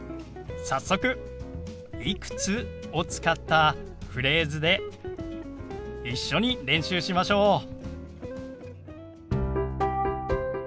早速「いくつ？」を使ったフレーズで一緒に練習しましょう。